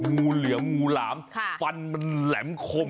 งูเหลือมงูหลามฟันมันแหลมคม